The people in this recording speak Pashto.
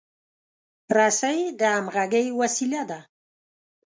رسۍ د همغږۍ وسیله ده.